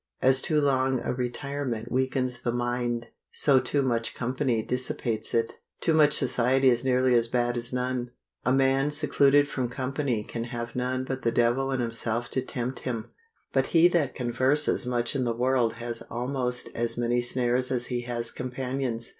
As too long a retirement weakens the mind, so too much company dissipates it. Too much society is nearly as bad as none. A man secluded from company can have none but the devil and himself to tempt him; but he that converses much in the world has almost as many snares as he has companions.